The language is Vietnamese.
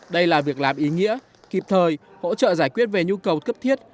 đây là việc làm ý nghĩa kịp thời hỗ trợ giải quyết về nhu cầu cấp thiết